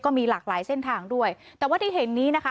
มีหลากหลายเส้นทางด้วยแต่ว่าที่เห็นนี้นะคะ